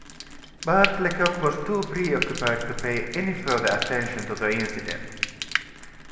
But Lecoq was too preoccupied to pay any further attention to the incident.